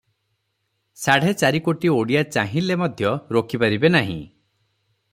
ସାଢ଼େ ଚାରିକୋଟି ଓଡ଼ିଆ ଚାହିଁଲେ ମଧ୍ୟ ରୋକିପାରିବେ ନାହିଁ ।